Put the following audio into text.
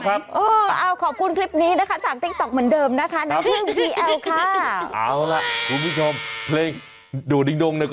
อ่าค่ะไม่ไงค่ะ